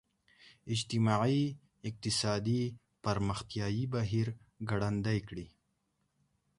اجتماعي اقتصادي پرمختیايي بهیر ګړندی کړي.